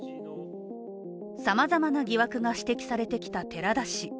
さまざまな疑惑が指摘されてきた寺田氏。